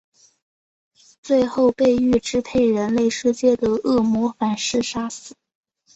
最后被欲支配人类世界的恶魔反噬杀死。